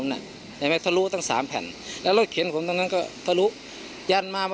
จนใดเจ้าของร้านเบียร์ยิงใส่หลายนัดเลยค่ะ